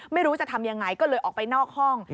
ไม่รู้จะทำยังไงก็เลยออกไปนอกห้อง